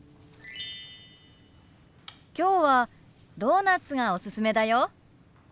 今日はドーナツがおすすめだよ。